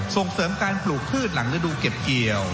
ส่งเสริมการปลูกพืชหลังฤดูเก็บเกี่ยว